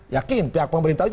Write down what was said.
yakin pihak pemerintah